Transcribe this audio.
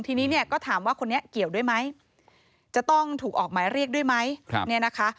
ทีนี้เนี่ยก็ถามว่าคนนี้เกี่ยวด้วยไหมจะต้องถูกออกหมายเรียกด้วยไหมเนี่ยนะคะ